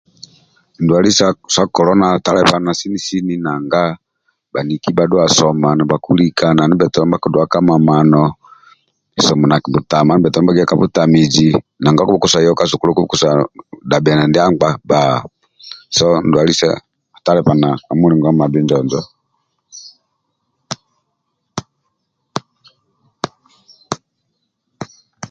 Ndwali sa kolona atalibana sini sini nanga bhaniki bhadhua soma nibhakilika na ndibhetolo nibha kduia ka mamano kisomo nakibutama ndibhekina nibhakiya kabutamizi nanga kokusobola yako ka sukulu nanga kokusobola dhamiana ndia nkpa bba so ndwali sa kolona atalibana ka muligo mabhinjo injo